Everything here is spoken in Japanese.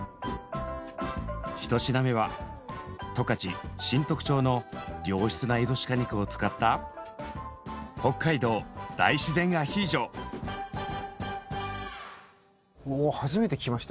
１品目は十勝新得町の良質なエゾシカ肉を使った初めて聞きました。